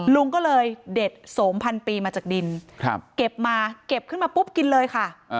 ลุงก็เลยเด็ดสมพันปีมาจากดินเก็บมาเก็บขึ้นมาปุ๊บกินเลยค่ะ